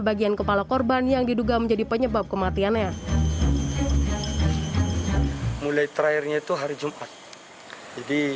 bagian kepala korban yang diduga menjadi penyebab kematiannya mulai terakhirnya itu hari jumat jadi